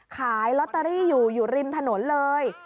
ขายลอตเตอรี่อยู่อยู่ริมถนนเลย